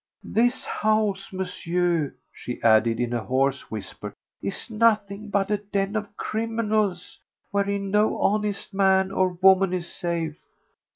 This house, Monsieur," she added in a hoarse whisper, "is nothing but a den of criminals wherein no honest man or woman is safe."